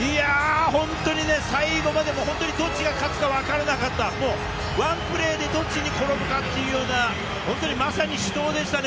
本当に最後まで本当にどっちが勝つかわからなかった、もうワンプレーでどっちに転ぶかというようなまさに死闘でしたね！